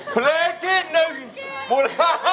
เพลงที่๑๕บาท